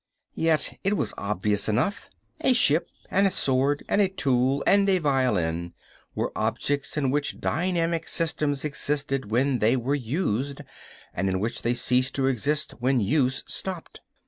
Yet it was obvious enough. A ship and a sword and a tool and a violin were objects in which dynamic systems existed when they were used, and in which they ceased to exist when use stopped.